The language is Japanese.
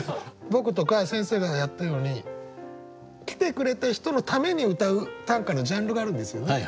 僕とか先生がやったように来てくれた人のためにうたう短歌のジャンルがあるんですよね。